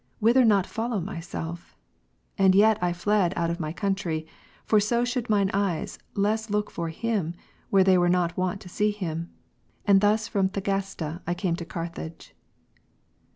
Whither not follow myself? And yet I fled out of my country; for so should mine eyes less look for him, where they were not wont to see him. And thus from Thagaste, I came to Carthage.